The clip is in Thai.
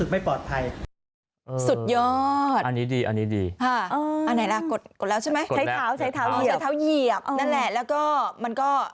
มันก็จะขึ้นป่ะ